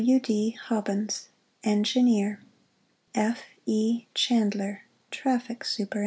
W. D. BOBBINS, Engineer ' F. E. CHANDLER, Traffic Supt.